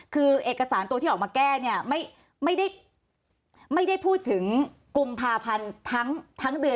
คือเอกสารตัวที่ออกมาแก้เนี่ยไม่ได้พูดถึงกุมภาพันธ์ทั้งเดือน